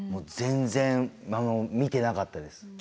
全然見てなかったです。